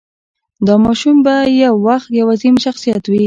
دا ماشوم به یو وخت یو عظیم شخصیت وي.